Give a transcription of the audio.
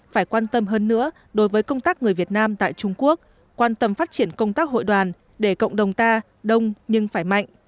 phải quan tâm hơn nữa đối với công tác người việt nam tại trung quốc quan tâm phát triển công tác hội đoàn để cộng đồng ta đông nhưng phải mạnh